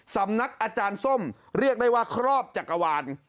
สำนักอาจารย์ส้มเรียกได้ว่าครอบจักรวาล